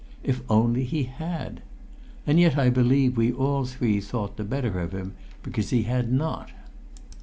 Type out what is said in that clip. If only he had! And yet I believe we all three thought the better of him because he had not.